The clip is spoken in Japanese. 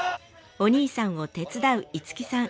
お兄さんを手伝う樹さん。